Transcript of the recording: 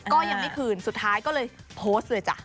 ก็ยังไม่คืนสุดท้ายก็เลยโพสต์เลยจ้ะ